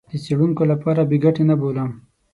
د څېړونکو لپاره بې ګټې نه بولم.